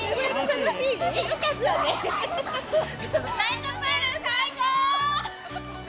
ナイトプール最高！